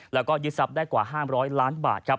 และยิดสับได้กว่า๕๐๐ล้านบาท